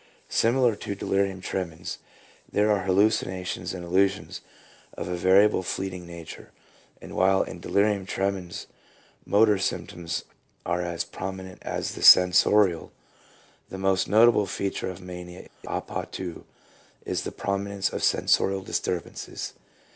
Similar to delirium tremens, there are hallucinations and illusions of a variable fleeting nature, and while in delirium tremens motor symptoms are as prominent as the sensorial, the most notable feature of mania a potu is the prominence of sensorial disturbances.